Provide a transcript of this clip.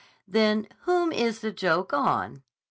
"Then whom is the joke on?"